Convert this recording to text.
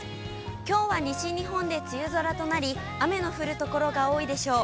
きょうは西日本で梅雨空となり、雨の降る所が多いでしょう。